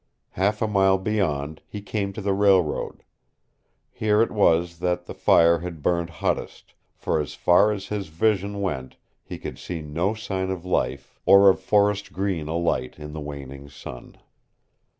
Half a mile beyond he came to the railroad. Here it was that the fire had burned hottest, for as far as his vision went he could see no sign of life or of forest green alight in the waning sun.